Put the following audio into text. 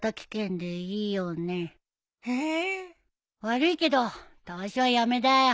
悪いけどたわしはやめだよ。